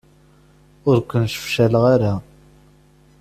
Ur ken-sefcaleɣ ara.